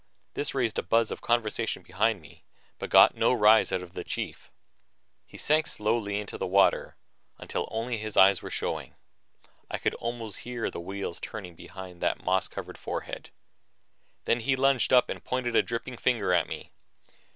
This raised a buzz of conversation behind me, but got no rise out of the chief. He sank slowly into the water until only his eyes were showing. I could almost hear the wheels turning behind that moss covered forehead. Then he lunged up and pointed a dripping finger at me.